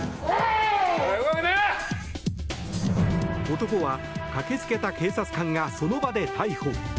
男は、駆けつけた警察官がその場で逮捕。